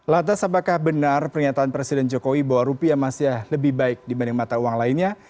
lantas apakah benar pernyataan presiden jokowi bahwa rupiah masih lebih baik dibanding mata uang lainnya